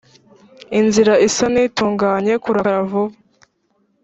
Inzira isa n itunganye Kurakara vuba